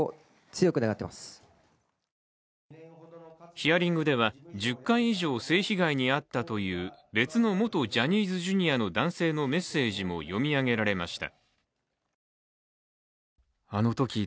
ヒアリングでは１０回以上性被害に遭ったという別の元ジャニーズＪｒ．の男性のメッセージも読み上げられました。